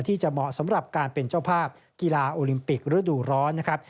ที่จะเหมาะสำหรับการเป็นเจ้าภาพกีฬาโอลิมปิกฤดูร้อนนะครับ